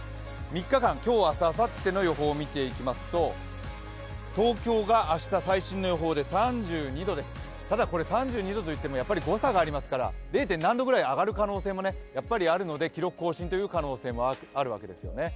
３日間、今日、明日、あさっての予想を見ていきますと東京が明日、最新の予想で３２度です誤差がありますから、０．何度ぐらい上がる可能性もありますから記録更新という可能性もあるわけですよね。